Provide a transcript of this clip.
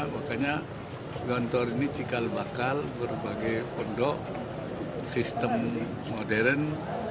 makanya gontor ini cikal bakal berbagai pondok sistem modern